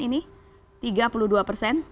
ini tiga puluh dua persen